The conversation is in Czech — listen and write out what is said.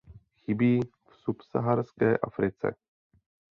Chybí v subsaharské Africe.